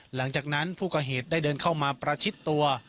หลังจากนั้นผู้ก่อเหตุได้เดินเข้ามาประชิดตัว